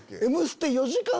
『Ｍステ』４時間